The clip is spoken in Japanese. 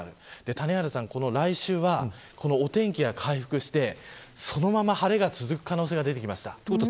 谷原さん、この来週はお天気が回復してそのまま晴れが続く可能性が出てきました。